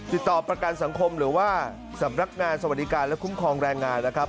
ติดต่อประกันสังคมหรือว่าสำนักงานสวัสดิการและคุ้มครองแรงงานนะครับ